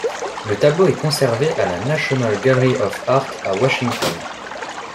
Le tableau est conservé à la National Gallery of Art, à Washington.